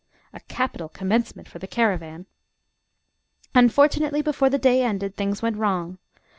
A capital commencement for the caravan! Unfortunately, before the day ended, things went wrong.